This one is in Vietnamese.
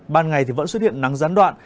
ban ngày vẫn xuất hiện nắng gián đoạn